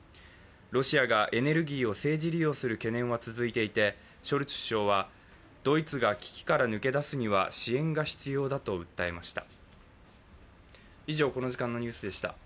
ロシアがエネルギーを政治利用する懸念は続いていてショルツ首相は、ドイツが危機から抜け出すには支援が必要だと訴えました。